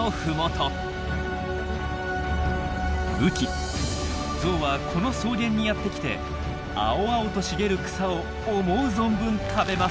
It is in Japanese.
雨季ゾウはこの草原にやって来て青々と茂る草を思う存分食べます。